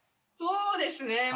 そうですね。